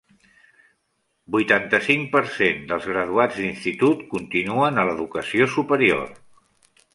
Vuitanta-cinc per cent dels graduats d'institut continuen a l'educació superior.